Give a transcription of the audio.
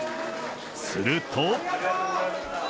すると。